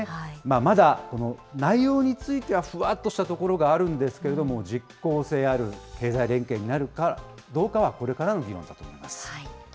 まだこの内容については、ふわっとしたところがあるんですけれども、実効性ある経済連携になるかどうかはこれからの議論だと思います。